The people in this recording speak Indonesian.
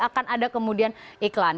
akan ada kemudian iklan